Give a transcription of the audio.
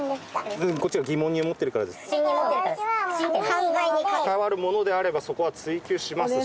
犯罪に関わるものであればそこは追及しますし。